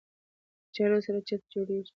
کچالو سره چپس جوړېږي